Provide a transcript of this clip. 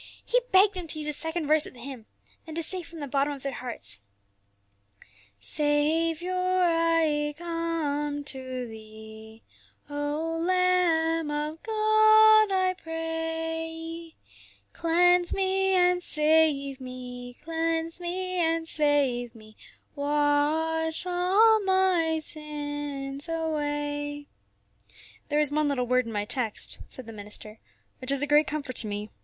He begged them to use the second verse of the hymn, and to say from the bottom of their hearts: "Saviour, I come to Thee, O Lamb of God, I pray, Cleanse me and save me, Cleanse me and save me, Wash all my sins away." "There is one little word in my text," said the minister, "which is a great comfort to me.